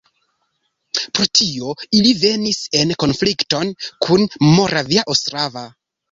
Pro tio ili venis en konflikton kun Moravia Ostrava.